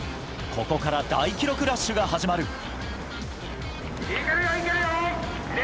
ここから大記録ラッシュが始まる。